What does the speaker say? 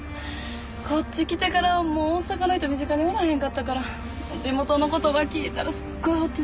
こっち来てからはもう大阪の人身近におらへんかったから地元の言葉聞いたらすっごいホッとするわ。